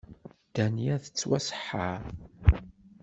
Dania tettwaseḥḥer.